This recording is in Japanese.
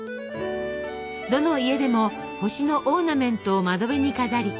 どの家でも星のオーナメントを窓辺に飾り